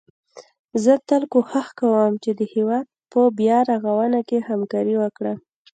زه تل کوښښ کوم چي د هيواد په بيا رغونه کي همکاري وکړم